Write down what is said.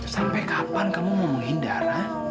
sampai kapan kamu mau menghindar